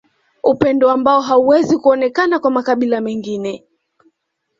Upendo ambao hauwezi kuonekana kwa makabila mengine